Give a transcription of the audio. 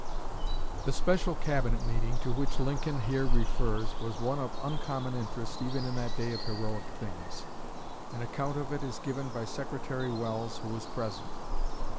The special Cabinet meeting to which Lincoln here refers was one of uncommon interest even in that day of heroic things. An account of it is given by Secretary Welles, who was present.